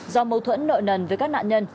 do mâu thuẫn nợ nần với các nạn nhân